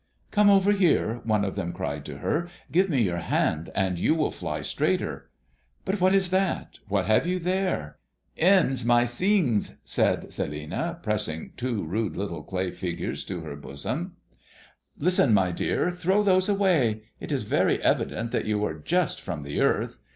"Come over here," one of them cried to her; "give me your hand, and you will fly straighter but what is that? What have you there?" "'Em's my sings," said Celinina, pressing two rude little clay figures to her bosom. "Listen, my dear, throw those away. It is very evident that you are just from the earth.